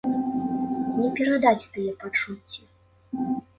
Не перадаць тыя пачуцці.